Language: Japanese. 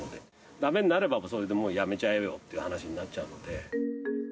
だめになれば、それでやめちゃえよという話になっちゃうので。